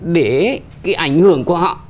để cái ảnh hưởng của họ